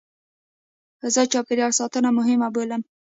زه چاپېریال ساتنه مهمه بولم.